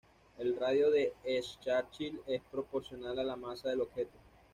El radio de Schwarzschild es proporcional a la masa del objeto.